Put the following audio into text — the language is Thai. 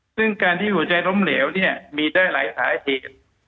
ซึ่งการที่หัวใจล้มเหลวเนี่ยมีได้หลายสาเหตุ